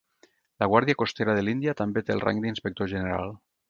La Guàrdia Costera de l'Índia també té el rang d'inspector general.